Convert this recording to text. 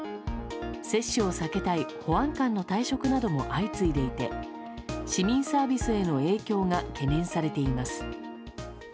接種を避けたい保安官の退職なども相次いでいて市民サービスへの影響が懸念されています。